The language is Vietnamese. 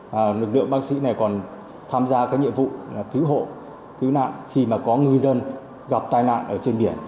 lực lượng bác sĩ này còn tham gia nhiệm vụ cứu hộ cứu nạn khi có ngư dân gặp tai nạn trên biển